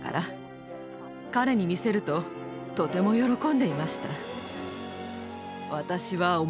彼に見せるととても喜んでいました。